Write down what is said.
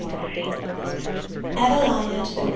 EVELINA TO THE REV.